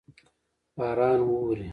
باران اوري.